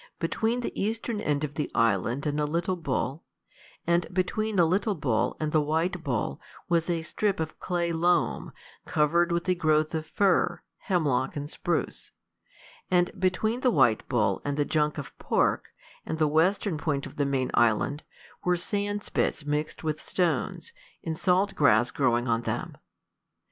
Between the eastern end of the island and the Little Bull, and between the Little Bull and the White Bull, was a strip of clay loam, covered with a growth of fir, hemlock, and spruce; and between the White Bull and the Junk of Pork, and the western point of the main island, were sand spits mixed with stones, and salt grass growing on them.